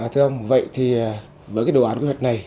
thưa ông vậy thì với cái đồ án quy hoạch này